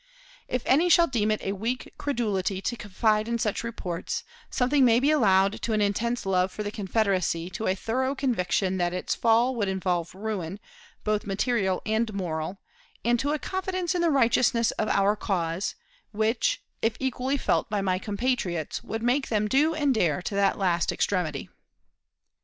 If any shall deem it a weak credulity to confide in such reports, something may be allowed to an intense love for the Confederacy to a thorough conviction that its fall would involve ruin, both material and moral, and to a confidence in the righteousness of our cause, which, if equally felt by my compatriots, would make them do and dare to the last extremity.